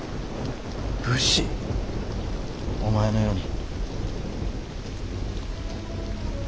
お前のように。